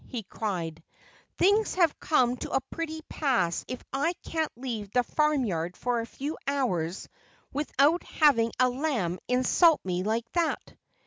he cried. "Things have come to a pretty pass if I can't leave the farmyard for a few hours without having a lamb insult me like that."